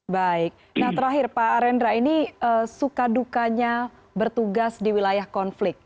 baik nah terakhir pak arendra ini suka dukanya bertugas di wilayah konflik